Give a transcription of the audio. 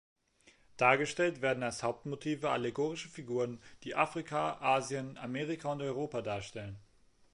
Dargestellt werden als Hauptmotive allegorische Figuren, die Afrika, Asien, Amerika und Europa darstellen.